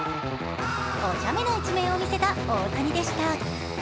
おちゃめな一面を見せた大谷でした。